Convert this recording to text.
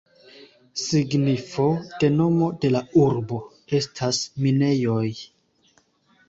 Signifo de nomo de la urbo estas "minejoj".